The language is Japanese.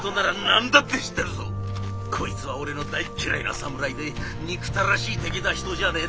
こいつは俺の大っ嫌いな侍で憎たらしい敵だ人じゃねえ。